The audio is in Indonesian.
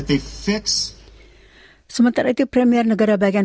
setelah satu ratus tujuh hari kami meminta mereka mengecewakan